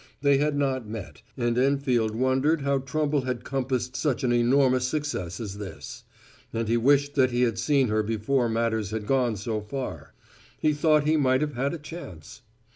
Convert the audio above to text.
They had not met; and Enfield wondered how Trumble had compassed such an enormous success as this; and he wished that he had seen her before matters had gone so far. He thought he might have had a chance.